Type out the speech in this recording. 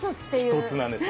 １つなんです。